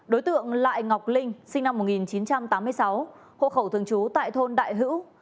đối tượng lại ngọc linh sinh năm một nghìn chín trăm tám mươi sáu hộ khẩu thường trú tại thôn đại hữu